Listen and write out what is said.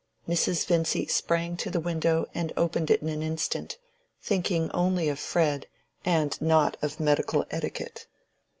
Mrs. Vincy sprang to the window and opened it in an instant, thinking only of Fred and not of medical etiquette.